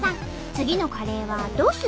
次のカレーはどうする？